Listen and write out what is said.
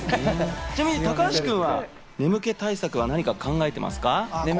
高橋君は眠気対策は何か考えていますか？